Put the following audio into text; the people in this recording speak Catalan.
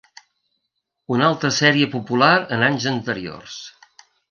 Una altra sèrie popular en anys anteriors.